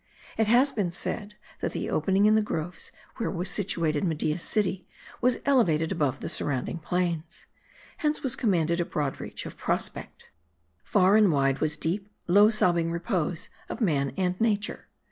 It has been said, that the opening in the groves where was situated Media's city, was elevated above the sur rounding plains. Hence was commanded a broad reach of prospect. Far and wide was deep low sobbing repose of man and nature.